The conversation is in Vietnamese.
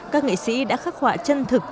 các nghệ sĩ đã khắc họa chân thực